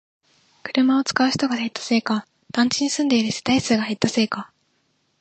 車を使う人が減ったせいか、団地に住んでいる世帯数が減ったせいか